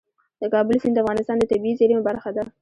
د کابل سیند د افغانستان د طبیعي زیرمو برخه ده.